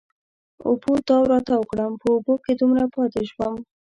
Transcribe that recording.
اوبو تاو را تاو کړم، په اوبو کې دومره پاتې شوم.